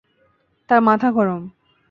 তার মাথা গরম।